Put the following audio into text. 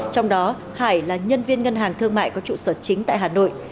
trong đó hải là nhân viên ngân hàng thương mại có trụ sở chính tại hà nội